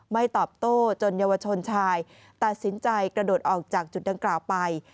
ตอบโต้จนเยาวชนชายตัดสินใจกระโดดออกจากจุดดังกล่าวไป